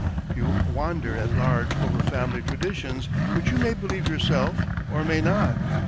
You wander at large over family tradi tions which you may believe yourself or may not.